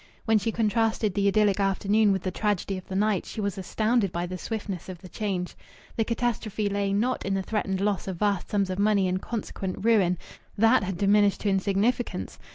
When she contrasted the idyllic afternoon with the tragedy of the night, she was astounded by the swiftness of the change. The catastrophe lay, not in the threatened loss of vast sums of money and consequent ruin that had diminished to insignificance!